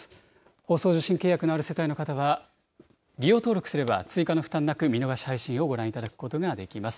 放送受信契約のある世帯の方は、利用登録すれば、追加の負担なく見逃し配信をご覧いただくことができます。